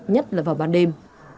nhất là vào ban đêm